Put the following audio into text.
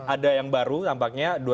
ada yang baru tampaknya